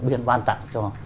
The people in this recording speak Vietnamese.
biển ban tặng cho